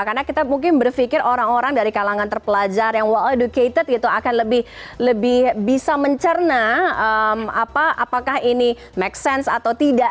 karena kita mungkin berpikir orang orang dari kalangan terpelajar yang well educated akan lebih bisa mencerna apakah ini make sense atau tidak